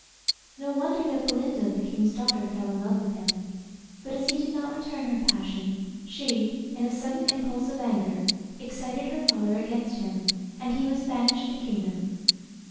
No wonder that Belinda, the king's daughter, fell in love with him; but as he did not return her passion, she, in a sudden impulse of anger, excited her father against him, and he was banished the kingdom.